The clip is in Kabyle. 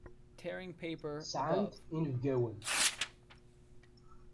Sɛant inebgawen.